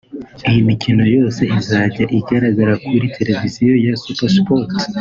Iyi mikino yose izajya igaragara kuri televiziyo ya Super Sport